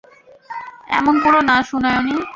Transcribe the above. এমন কোরো না সুনয়নী।